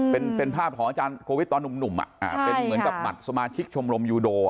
เป็นภาพของอาจารย์โควิดตอนหนุ่มเป็นเหมือนกับหมัดสมาชิกชมรมยูโด